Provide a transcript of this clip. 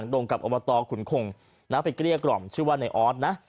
ตรงกับอบตขุนคงไปเกลี้ยกล่อมชื่อว่าในออสนะ